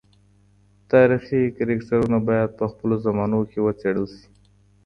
تاریخي کرکټرونه باید په خپلو زمانو کي وڅېړل سي.